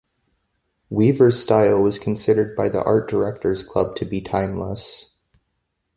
Weaver's style was considered by the Art Directors Club to be "timeless".